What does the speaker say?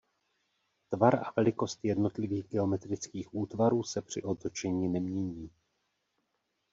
Tvar a velikost jednotlivých geometrických útvarů se při otočení nemění.